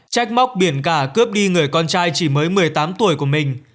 trách móc biển cả cướp đi người con trai chỉ mới một mươi tám tuổi của mình